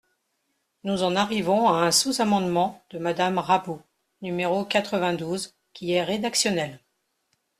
Nous en arrivons à un sous-amendement de Madame Rabault, numéro quatre-vingt-douze, qui est rédactionnel.